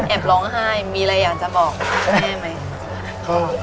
ร้องไห้มีอะไรอยากจะบอกแม่ไหม